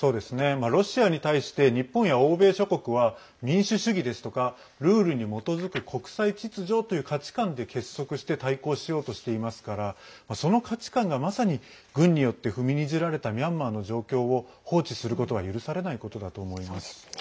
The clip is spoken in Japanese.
ロシアに対して日本や欧米諸国は民主主義ですとかルールに基づく国際秩序という価値観で結束して対抗しようとしていますからその価値観がまさに軍によって踏みにじられたミャンマーの状況を放置することは許されないことだと思います。